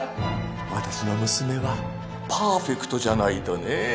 私の娘はパーフェクトじゃないとねぇ。